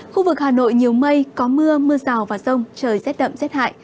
khu vực hà nội nhiều mây có mưa mưa rào và rông trời rét đậm rét hại